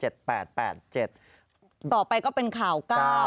ต่อไปก็เป็นข่าว๙